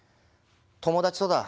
友達とだ。